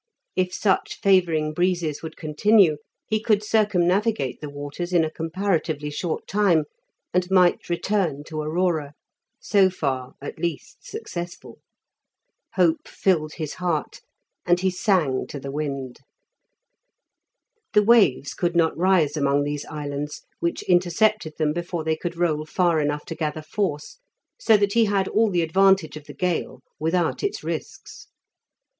If such favouring breezes would continue, he could circumnavigate the waters in a comparatively short time, and might return to Aurora, so far, at least, successful. Hope filled his heart, and he sang to the wind. The waves could not rise among these islands, which intercepted them before they could roll far enough to gather force, so that he had all the advantage of the gale without its risks.